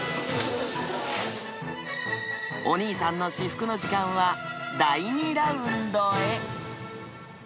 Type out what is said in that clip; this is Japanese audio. お兄さんの至福の時間は、第２ラウンドへ。